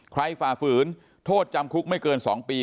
ฝ่าฝืนโทษจำคุกไม่เกิน๒ปี